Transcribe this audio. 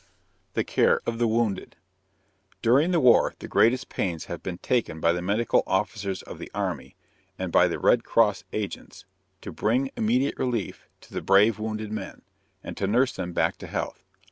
THE CARE OF THE WOUNDED. During the war the greatest pains have been taken by the medical officers of the army, and by the Red Cross agents, to bring immediate relief to the brave wounded men, and to nurse them back to health.